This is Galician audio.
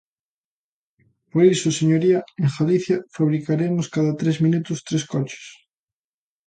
Por iso, señoría, en Galicia fabricaremos cada tres minutos tres coches.